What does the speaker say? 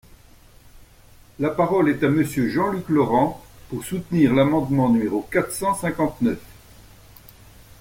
La parole est à Monsieur Jean-Luc Laurent, pour soutenir l’amendement numéro quatre cent cinquante-neuf.